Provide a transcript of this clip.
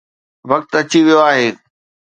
وقت اچي ويو آهي.